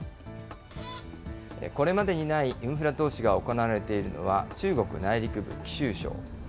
これまでにないインフラ投資が行われているのは、中国内陸部、貴州省。